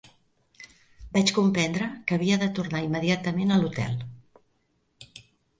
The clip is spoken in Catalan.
Vaig comprendre que havia de tornar immediatament a l’hotel